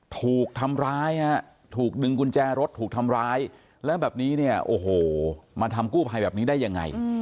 ถูกทำร้ายฮะถูกดึงกุญแจรถถูกทำร้ายแล้วแบบนี้เนี่ยโอ้โหมาทำกู้ภัยแบบนี้ได้ยังไง